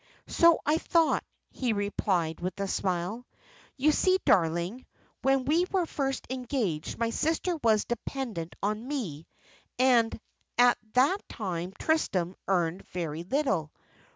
"So I thought," he replied, with a smile. "You see, darling, when we were first engaged my sister was dependent on me, and at that time Tristram earned very little.